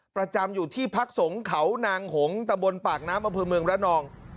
ประจำอยู่ที่พักสงฆ์เขานางหงตะบนปากน้ำอำเภอเมืองระนอง